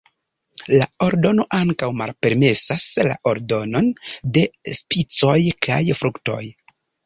La ordono ankaŭ malpermesas la aldonon de spicoj kaj fruktoj.